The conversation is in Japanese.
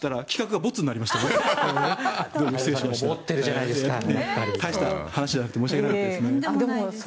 大した話じゃなくて申し訳ないです。